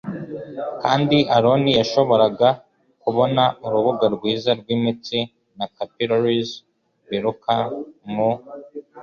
kandi Aroni yashoboraga kubona urubuga rwiza rwimitsi na capillaries biruka mu